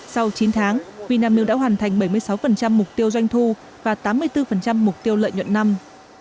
sau chín tháng vinamilk đã hoàn thành bảy mươi sáu mục tiêu doanh thu và tám mươi bốn mục tiêu lợi nhuận năm